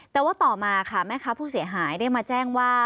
แต่ว่าต่อมาค่ะแม่ค้าผู้เสียหายได้มาแจ้งว่า